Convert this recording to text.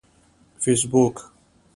فیسبوک